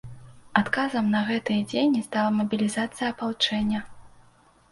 Адказам на гэтыя дзеянні стала мабілізацыя апалчэння.